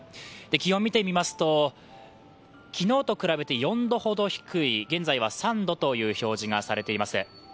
気温を見てみますと、昨日と比べて４度ほど低い、現在は３度という表示がされています。